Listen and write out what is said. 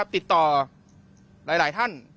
ติดต่อหลายท่าน